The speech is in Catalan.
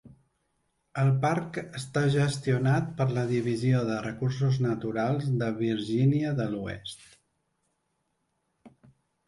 El parc està gestionat per la divisió de recursos naturals de Virgínia de l'oest.